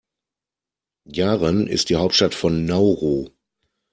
Yaren ist die Hauptstadt von Nauru.